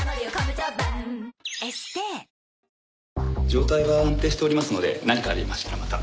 状態は安定しておりますので何かありましたらまた。